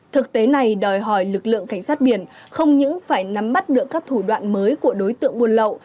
thực tế này đòi hỏi lực lượng cảnh sát biển không những phải nắm mắt được các thủ đoạn mới của đối tượng buôn lậu